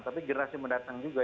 tapi generasi mendatang juga